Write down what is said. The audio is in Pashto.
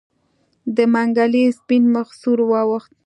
د منګلي سپين مخ سور واوښت.